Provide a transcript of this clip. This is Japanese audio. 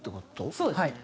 そうですね。